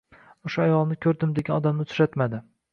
O‘sha ayolni ko‘rdim degan odamni uchratmadi